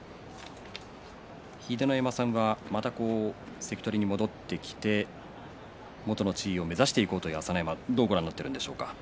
秀ノ山さんはまた関取に戻ってきて元の地位を目指していこうという朝乃山を、どうご覧になっているんでしょうか。